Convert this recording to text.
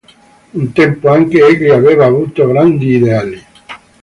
Un tempo anche egli aveva avuto grandi ideali.